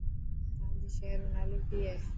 تانجي شهر رو نالو ڪي هي.